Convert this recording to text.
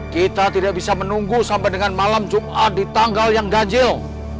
kita tidak bisa menunggu sampai dengan malam jumat di tanggal yang ganjil